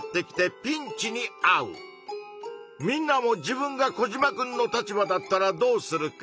みんなも自分がコジマくんの立場だったらどうするか？